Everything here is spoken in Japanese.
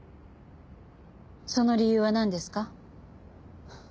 その理由はなんですか？